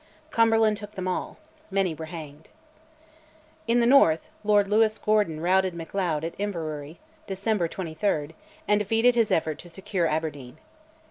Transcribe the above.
Cumberland took them all, many were hanged. In the north, Lord Lewis Gordon routed Macleod at Inverurie (December 23), and defeated his effort to secure Aberdeen.